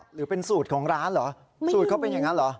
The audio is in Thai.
หรือเป็นสูตรของร้านเหรอสูตรเขาเป็นอย่างนั้นเหรอ